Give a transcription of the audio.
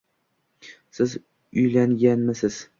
Siz uylanganmisiz